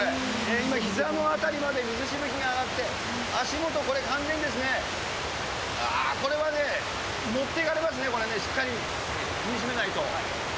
今、ひざの辺りまで水しぶきが上がって、足元、これ、完全に、ああ、これはね、もっていかれますね、これね、しっかり踏みしめないと。